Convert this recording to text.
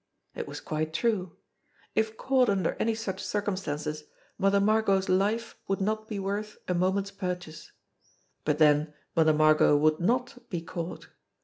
It was quite true. If caught under any such circum stances Mother Margot's life would not be worth a moment's purchase. But then Mother Margot would not be caught.